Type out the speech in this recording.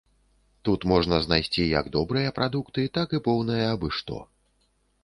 Тут можна знайсці як добрыя прадукты, так і поўнае абы што.